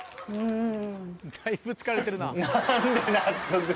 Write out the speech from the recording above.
だいぶ疲れてるな。